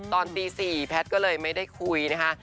ตอนตี๔แพทย์ก็เลยไม่ได้คุยนะคะ